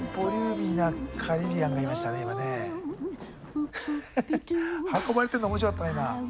ふふっ運ばれてるの面白かったな今。